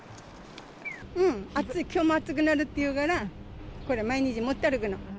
暑い、きょうも暑くなるっていうから、これ、毎日持って歩くの。